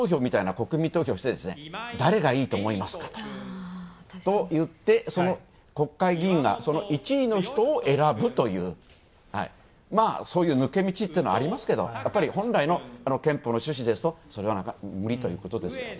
国民投票をして、誰がいいと思いますかと言って国会議員が、その１位の人を選ぶというそういう抜け道っていうのはありますけど本来の憲法の趣旨ですと、それは無理ということですよね。